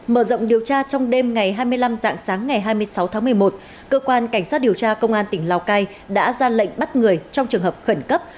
mở rộng điều tra trong đêm ngày hai mươi năm dạng sáng ngày hai mươi sáu tháng một mươi một cơ quan cảnh sát điều tra công an tỉnh lào cai đã ra lệnh bắt người trong trường hợp khẩn cấp